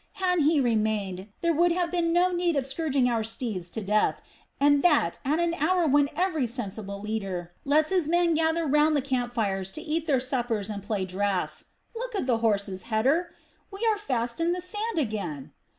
Had he remained, there would have been no need of scourging our steeds to death, and that at an hour when every sensible leader lets his men gather round the camp fires to eat their suppers and play draughts. Look to the horses, Heter! We are fast in the sand again!"